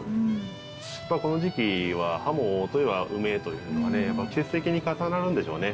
この時季は鱧といえば梅というのが季節的に重なるんでしょうね。